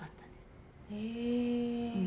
へえ。